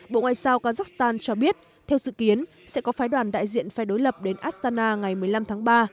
bộ ngoại giao kazakhstan cho biết theo dự kiến sẽ có phái đoàn đại diện phe đối lập đến astana ngày một mươi năm tháng ba